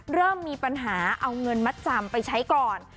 เริ่มมีปัญหาเอาเงินมัดจำไปใช้ก่อน